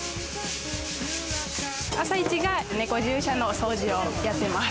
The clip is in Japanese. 朝一が猫獣舎の掃除をやってます。